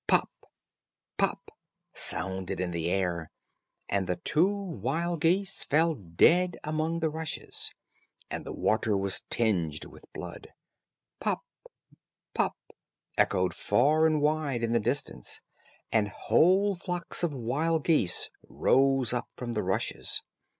"Pop, pop," sounded in the air, and the two wild geese fell dead among the rushes, and the water was tinged with blood. "Pop, pop," echoed far and wide in the distance, and whole flocks of wild geese rose up from the rushes.